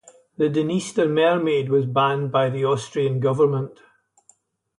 The "Dniester Mermaid" was banned by the Austrian government.